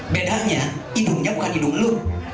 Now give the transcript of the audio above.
bedanya hidungnya bukan hidung lu